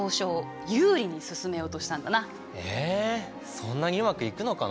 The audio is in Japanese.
そんなにうまくいくのかな？